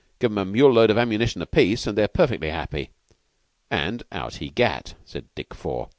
Give 'em a mule load of ammunition apiece, and they're perfectly happy." "And out he gat," said Dick Four.